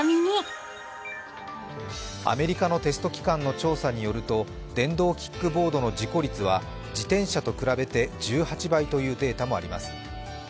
アメリカのテスト機関の調査によると、電動キックボードの事故率は自転車と比べて１８倍というデータもあります。